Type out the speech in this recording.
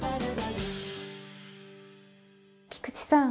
菊池さん